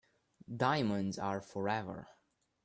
Diamonds are forever.